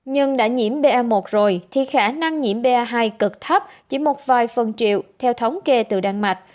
nhưng đã nhiễm pa một rồi thì khả năng nhiễm ba hai cực thấp chỉ một vài phần triệu theo thống kê từ đan mạch